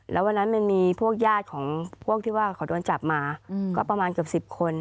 แล้ววันนั้นมันมีพวกญาติของพวกที่ว่าเขาโดนจับมาก็ประมาณเกือบ๑๐คน